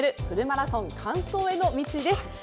フルマラソン完走への道」です。